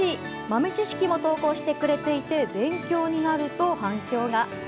豆知識も投稿してくれていて勉強になると反響が。